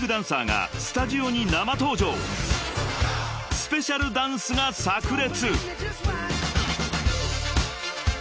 ［スペシャルダンスがさく裂！］